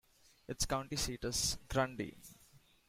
Its county seat is Grundy.